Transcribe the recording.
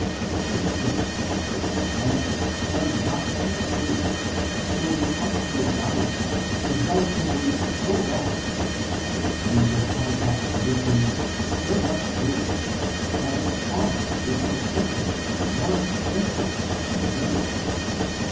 The reverse, on the other hand, does not hold true, for the Arctogaean realm is relatively so vast and its range of habitat con ditions so much greater, that its fauna is proportionately more extensive and varied.